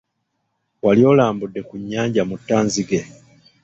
Wali olambuddeko ku nnyanja Muttanzige?